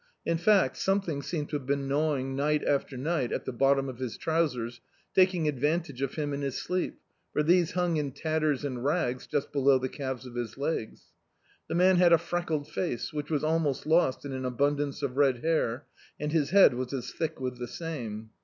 In fact, something seemed to have been gnawing ni^t after ni^t at the bottcnn of his trousers, taking advantage of him in his sleep, for these hung in tatters and rags just below the calves of his legs. The man had a frec kled face, which was almost lost in an abundance of red hair, and his head was as thick with the same.